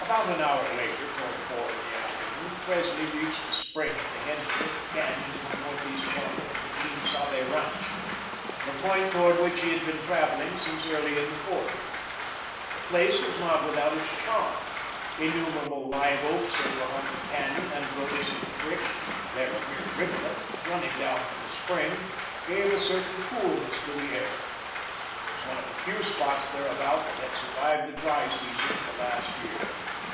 About an hour later, toward four in the afternoon, Presley reached the spring at the head of the little canyon in the northeast corner of the Quien Sabe ranch, the point toward which he had been travelling since early in the forenoon. The place was not without its charm. Innumerable live oaks overhung the canyon, and Broderson Creek there a mere rivulet, running down from the spring gave a certain coolness to the air. It was one of the few spots thereabouts that had survived the dry season of the last year.